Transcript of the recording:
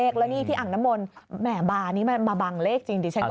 เขาหาเลข